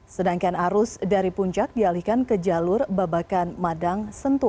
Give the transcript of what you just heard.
sedangkan arus dari puncak dialihkan ke jalur babakan madang sentul